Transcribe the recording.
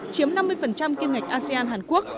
chiếm năm mươi kim ngạch asean hàn quốc